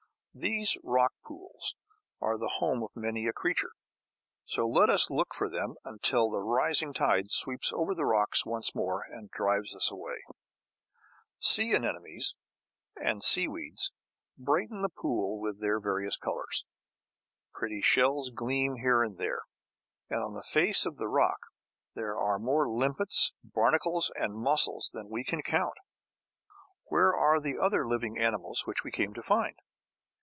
These rock pools are the home of many a creature. So let us look for them, until the rising tide sweeps over the rocks once more, and drives us away. Sea anemones and seaweeds brighten the pool with their various colours. Pretty shells gleam here and there; and on the face of the rock there are more limpets, barnacles and mussels than we can count. Where are the other living animals which we came to find?